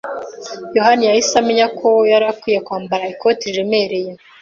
yohani yahise amenya ko yari akwiye kwambara ikote riremereye.